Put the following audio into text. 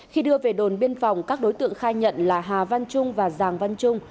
khi đưa về đồn biên phòng các đối tượng khai nhận là hà văn trung và giàng văn trung